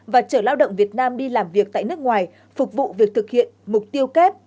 và chở lao động việt nam đi làm việc tại nước ngoài phục vụ việc thực hiện mục tiêu kép